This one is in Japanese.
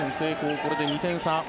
これで２点差。